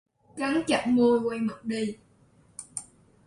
Cắn chặt môi quay mặt đi